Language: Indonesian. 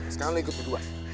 sekarang lu ikut dengan gua